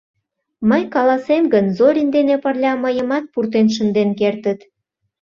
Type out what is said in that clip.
Мый каласем гын, Зорин дене пырля мыйымат пуртен шынден кертыт.